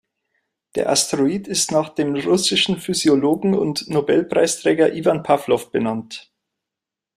Der Asteroid ist nach dem russischen Physiologen und Nobelpreisträger Iwan Pawlow benannt.